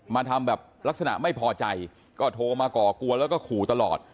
มาทำแบบลักษณะไม่พอใจก็โทรมาก่อกวนแล้วก็ขู่ตลอด